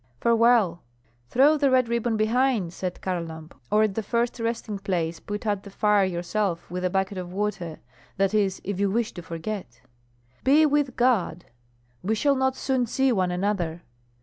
"Farewell!" "Throw the red ribbon behind," said Kharlamp, "or at the first resting place put out the fire yourself with a bucket of water; that is, if you wish to forget." "Be with God!" "We shall not soon see one another."